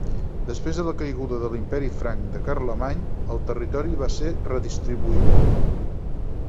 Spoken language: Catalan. Després de la caiguda de l'imperi franc de Carlemany el territori va ser redistribuït.